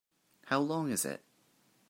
How long is it?